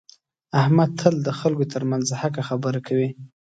احمد تل د خلکو ترمنځ حقه خبره کوي.